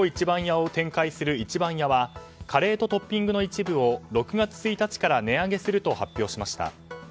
番屋を展開する壱番屋はカレーとトッピングの一部を６月１日から値上げすると発表しました。